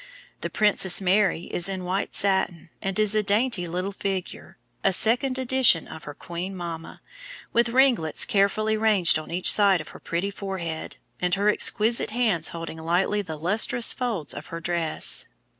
The Princess Mary is in white satin, and is a dainty little figure, a second edition of her queen mamma, with ringlets carefully ranged on each side of her pretty forehead, and her exquisite hands holding lightly the lustrous folds of her dress.